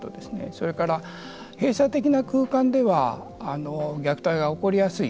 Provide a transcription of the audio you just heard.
それから閉鎖的な空間では虐待が起こりやすい。